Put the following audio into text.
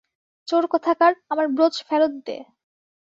চোর কোথাকার, আমার ব্রোচ ফেরত দে।